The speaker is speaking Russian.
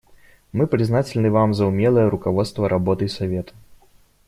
Мы признательны Вам за умелое руководство работой Совета.